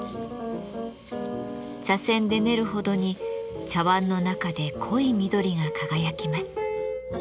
茶せんで練るほどに茶わんの中で濃い緑が輝きます。